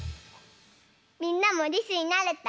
みんなもりすになれた？